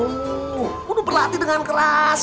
udah berlatih dengan keras